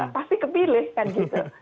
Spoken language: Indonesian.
pasti kepilih kan gitu